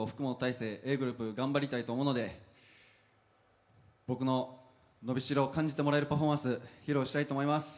ｇｒｏｕｐ、福本大晴頑張りたいと思うので僕の伸びしろを感じてもらえるパフォーマンスを繰り広げたいと思います。